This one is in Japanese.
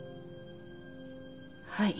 はい。